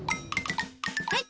はい！